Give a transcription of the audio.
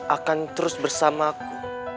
akan terus bersama aku